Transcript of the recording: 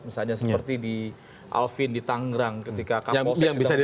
misalnya seperti di alvin di tangerang ketika kapolsek sedang berbacara